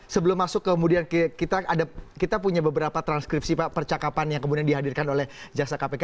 sebelum masuk kemudian kita punya beberapa transkripsi pak percakapan yang kemudian dihadirkan oleh jaksa kpk